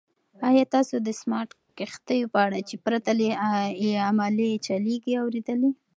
ایا تاسو د سمارټ کښتیو په اړه چې پرته له عملې چلیږي اورېدلي؟